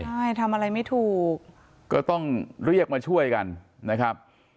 ใช่ทำอะไรไม่ถูกก็ต้องเรียกมาช่วยกันนะครับ